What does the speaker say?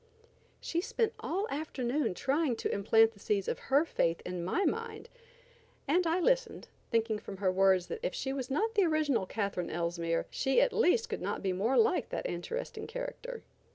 She spent all the afternoon trying to implant the seeds of her faith in my mind, and I listened, thinking from her words that if she was not the original Catherine Elsmere, she at least could not be more like that interesting character.